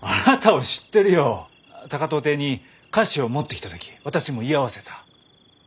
高藤邸に菓子を持ってきた時私も居合わせた。